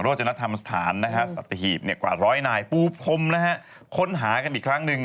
โรจนัฐธรรมศาลสัตเทฮีบกว่าร้อยนายปุ๊บคมค้นหากันอีกครั้งหนึ่ง